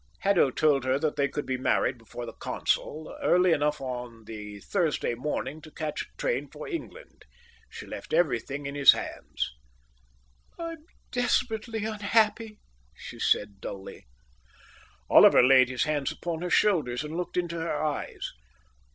Haddo told her that they could be married before the Consul early enough on the Thursday morning to catch a train for England. She left everything in his hands. "I'm desperately unhappy," she said dully. Oliver laid his hands upon her shoulders and looked into her eyes.